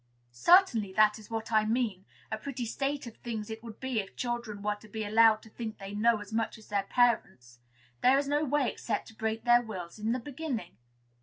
"Certainly, that is what I mean. A pretty state of things it would be if children were to be allowed to think they know as much as their parents. There is no way except to break their wills in the beginning."